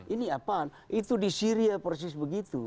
ini apaan itu di syria persis begitu